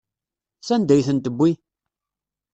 Sanda ay ten-tewwi?